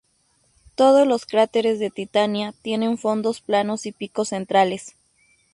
Todos los cráteres de Titania tienen fondos planos y picos centrales.